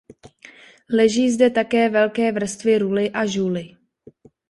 Leží zde také velké vrstvy ruly a žuly.